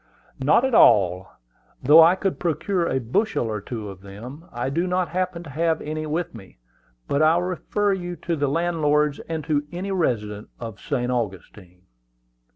"Not at all. Though I could procure a bushel or two of them, I do not happen to have any with me; but I will refer you to the landlords, and to any resident of St. Augustine."